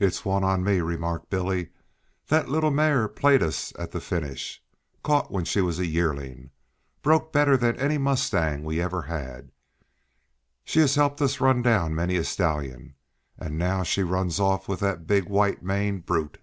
"It's one on me," remarked Billy. "That little mare played us at the finish. Caught when she was a yearling, broken better than any mustang we ever had, she has helped us run down many a stallion, and now she runs off with that big white maned brute!"